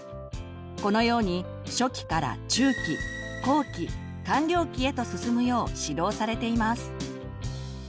このように初期から中期後期完了期へと進むよう指導されています。